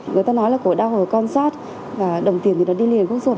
người ta nói là cổ đau ở con sót và đồng tiền thì nó đi liền khúc ruột